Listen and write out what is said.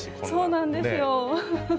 そうなんですよ。